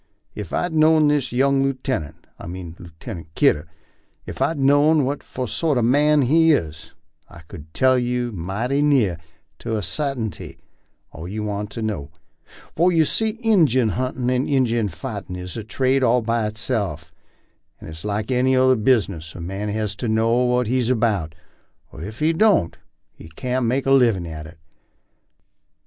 Ef I knowed this young lootenint I mean Loo tenint Kidder ef I knowed what for sort of a man he is, I could tell you mighty near to a sartainty all you want to know ; for you see Injun huntin' and Injun fightin' is a trade all by itself, and like any other bizness a man has to know what he's about, or ef he don't he can't make a livin' at it.